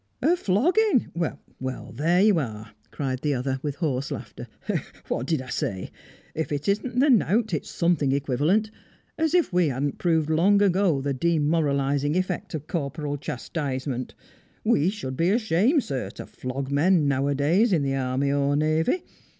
"A flogging! Why, there you are!" cried the other, with hoarse laughter "What did I say? If it isn't the knout, it's something equivalent. As if we hadn't proved long ago the demoralising effect of corporal chastisement! We should be ashamed, sir, to flog men nowadays in the army or navy.